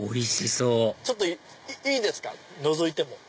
ちょっといいですかのぞいても。